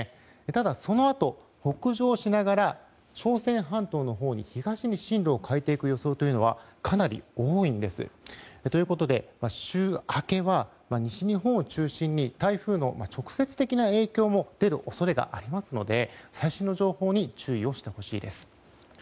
ただ、そのあと北上しながら朝鮮半島のほうに東に進路を変えていく予想というのはかなり多いです。ということで週明けは西日本を中心に台風の直接的な影響も出る恐れがありますので最新の情報に注意をしてほしいです。